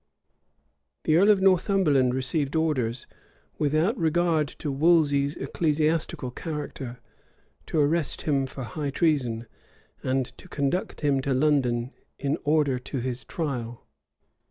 The earl of Northumberland received, orders, without regard to Wolsey's ecclesiastical character, to arrest him for high treason, and to conduct him to London, in order to his trial.